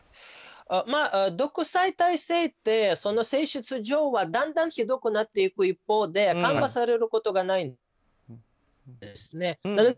独裁体制って性質上はだんだんひどくなっていく一方で緩和されることがないんです。